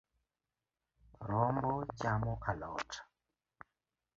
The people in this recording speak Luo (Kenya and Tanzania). Rombo chamo a lot